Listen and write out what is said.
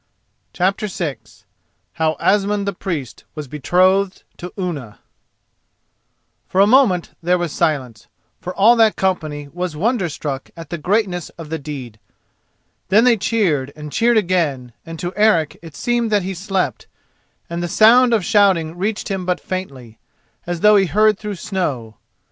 CHAPTER VI HOW ASMUND THE PRIEST WAS BETROTHED TO UNNA For a moment there was silence, for all that company was wonderstruck at the greatness of the deed. Then they cheered and cheered again, and to Eric it seemed that he slept, and the sound of shouting reached him but faintly, as though he heard through snow.